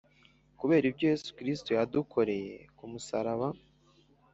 Kubera ibyo Yesu Kristo yadukoreye ku musaraba,